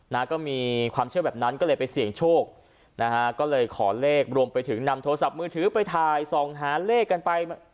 นะก็มีความเชื่อแบบนั้นก็เลยไปเสี่ยงโชคนะฮะก็เลยขอเลขรวมไปถึงนำโทรศัพท์มือถือไปถ่ายส่องหาเลขกันไป